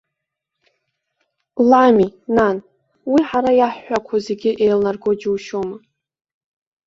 Лами, нан, уи ҳара иаҳҳәақәо зегьы еилнарго џьушьома.